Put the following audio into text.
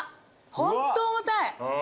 ホント重たい。